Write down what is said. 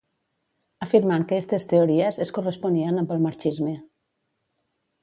Afirmant que estes teories es corresponien amb el marxisme.